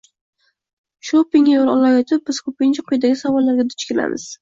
Shopingga yo‘l olayotib, biz ko‘pincha quyidagi savollarga duch kelamiz